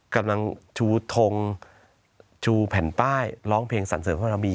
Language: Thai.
กำลังชูทงชูแผ่นป้ายร้องเพลงสั่นเสิร์ฟพระมี